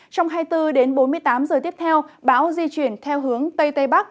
trong hai mươi bốn đến bốn mươi tám giờ tiếp theo bão di chuyển theo hướng tây tây bắc